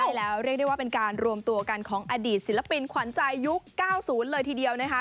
ใช่แล้วเรียกได้ว่าเป็นการรวมตัวกันของอดีตศิลปินขวัญใจยุค๙๐เลยทีเดียวนะคะ